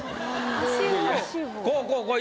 こうこうこう。